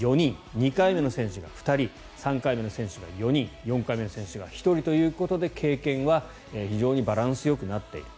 ２回目の選手が２人３回目の選手が４人４回目の選手が１人ということで経験はバランスよくなっている。